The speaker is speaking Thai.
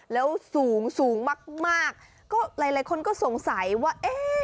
แล้วสูงสูงมากก็หลายคนก็สงสัยว่าเอ๊ะ